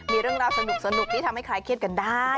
มีเรื่องราวสนุกที่ทำให้คลายเครียดกันได้